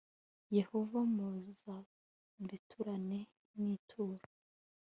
Yehova Muzabiturane n ituro